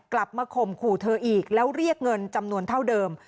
ข่มขู่เธออีกแล้วเรียกเงินจำนวนเท่าเดิม